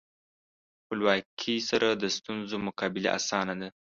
خپلواکۍ سره د ستونزو مقابله اسانه ده.